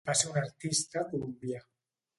Va ser un artista colombià.